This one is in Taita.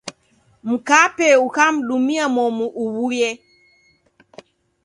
Mkape ukamdumia momu uw'uye.